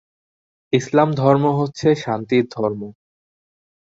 ইসলাম ধর্ম হচ্ছে শান্তির ধর্ম।